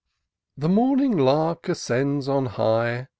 The morning lark ascends on high.